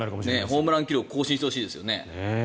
ホームラン記録更新してほしいですよね。